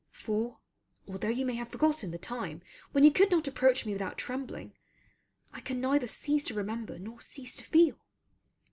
for, although you may have forgotten the time when you could not approach me without trembling, I can neither cease to remember nor cease to feel.